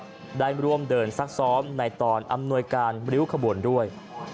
ได้ร่วมเดินซักซ้อมในตอนอำนวยการริ้วขบวนด้วย